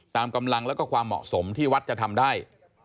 ตามกำลังแล้วก็ความเหมาะสมที่วัดจะทำได้